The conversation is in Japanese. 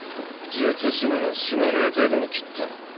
術師なら死なねぇ程度に斬った。